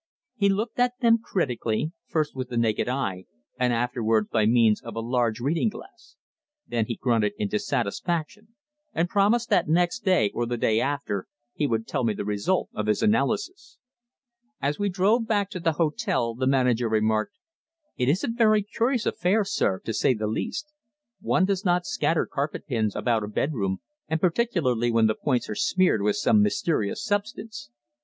He looked at them critically, first with the naked eye and afterwards by means of a large reading glass. Then he grunted in dissatisfaction and promised that next day, or the day after, he would tell me the result of his analysis. As we drove back to the hotel the manager remarked: "It is a very curious affair, sir, to say the least. One does not scatter carpet pins about a bedroom, and particularly when the points are smeared with some mysterious substance.